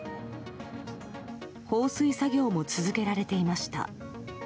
放水作業も続けられていました。